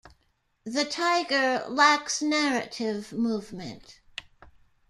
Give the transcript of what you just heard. "The Tyger" lacks narrative movement.